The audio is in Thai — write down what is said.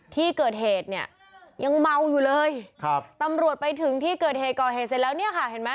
ที่เกิดเหตุเนี่ยยังเมาอยู่เลยครับตำรวจไปถึงที่เกิดเหตุก่อเหตุเสร็จแล้วเนี่ยค่ะเห็นไหม